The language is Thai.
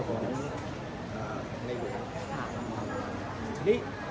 ของโรงงานนี้